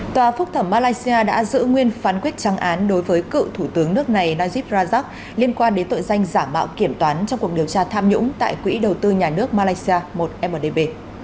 tòa phúc thẩm malaysia đã giữ nguyên phán quyết trăng án đối với cựu thủ tướng nước này najib rajak liên quan đến tội danh giả mạo kiểm toán trong cuộc điều tra tham nhũng tại quỹ đầu tư nhà nước malaysia một mdb